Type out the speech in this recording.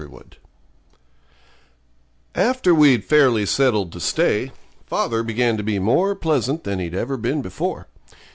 Chapter 6 After we'd fairly settled to stay, father began to be more pleasant than he'd ever been before.